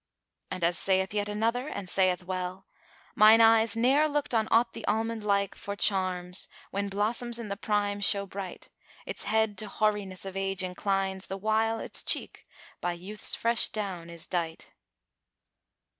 And as saith yet another and saith well, "Mine eyes ne'er looked on aught the Almond like * For charms, when blossoms[FN#399] in the Prime show bright: Its head to hoariness of age inclines * The while its cheek by youth's fresh down is dight."